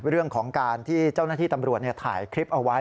เรื่องของการที่เจ้าหน้าที่ตำรวจถ่ายคลิปเอาไว้